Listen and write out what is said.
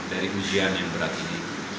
dari ujian yang berat ini